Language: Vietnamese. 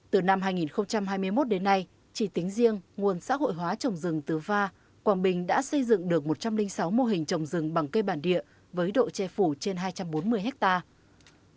từ năm hai nghìn hai mươi một đến nay chỉ tính riêng nguồn xã hội hóa trồng rừng tứ va quảng bình đã xây dựng được một trăm linh sáu mô hình trồng rừng bằng cây bản địa với độ che phủ trên hai trăm bốn mươi hectare